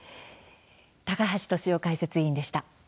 高橋俊雄解説委員でした。